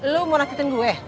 lo mau ngasih cinta gue